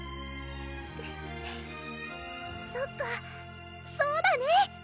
そっかそうだね！